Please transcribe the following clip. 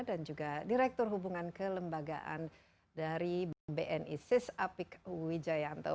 dan juga direktur hubungan kelembagaan dari bni sis apik wijayanto